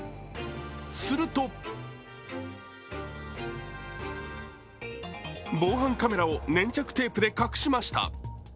すると防犯カメラを粘着テープで隠しました。